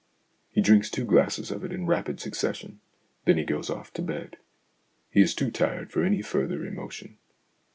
He drinks two glasses of it in rapid succession ; then he goes off to bed. He is too tired for any further emotion.